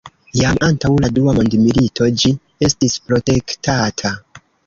Jam antaŭ la dua mondmilito ĝi estis protektata.